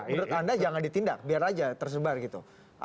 menurut anda jangan ditindak biar aja tersebar gitu